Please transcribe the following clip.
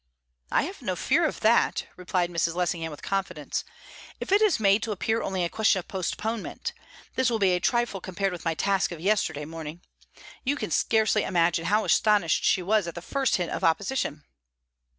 "I have no fear of that," replied Mrs. Lessingham with confidence, "if it is made to appear only a question of postponement. This will be a trifle compared with my task of yesterday morning. You can scarcely imagine how astonished she was at the first hint of opposition."